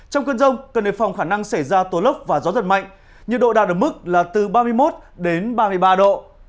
trong cơn rông cần đề phòng khả năng xảy ra tố lốc và gió giật mạnh nhiệt độ đạt ở mức là từ ba mươi một đến ba mươi ba độ